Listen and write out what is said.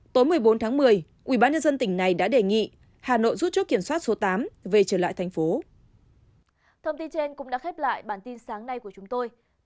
tối một mươi bốn tháng một mươi ubnd tỉnh này đã đề nghị hà nội rút chốt kiểm soát số tám về trở lại thành phố